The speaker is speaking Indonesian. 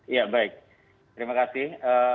ya baik terima kasih